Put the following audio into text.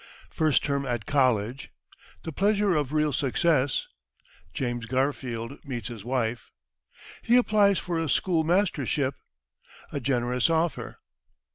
First Term at College The Pleasure of real Success James Garfield meets his Wife He applies for a Schoolmastership A Generous Offer.